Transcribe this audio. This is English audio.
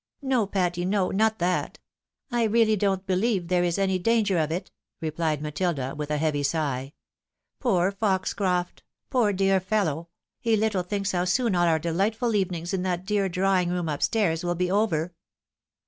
" No, Patty, no, not that. I reaUy don't believe there is any danger of it," replied Matilda, with a heavy sigh. " Poor Foxcroft ! poor dear fellow ! he little thinks how soon all our delightful evenings in that dear drawing room up stairs will be over